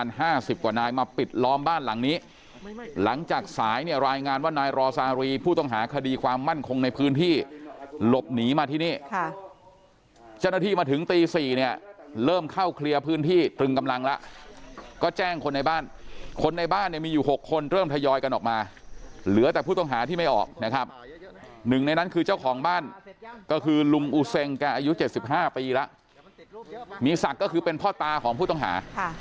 มาปิดล้อมบ้านหลังนี้หลังจากสายเนี่ยรายงานว่านายรสารีผู้ต้องหาคดีความมั่นคงในพื้นที่หลบหนีมาที่นี่จ้าหน้าที่มาถึงตี๔เนี่ยเริ่มเข้าเคลียร์พื้นที่ตึงกำลังละก็แจ้งคนในบ้านคนในบ้านมีอยู่๖คนเริ่มทยอยกันออกมา